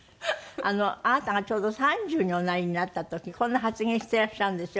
あなたがちょうど３０におなりになった時こんな発言していらっしゃるんですよ。